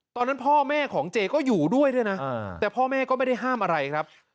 ตอนนั้นพ่อแม่ของเจก็อยู่ด้วยด้วยนะแต่พ่อแม่ก็ไม่ได้ห้ามอะไรครับ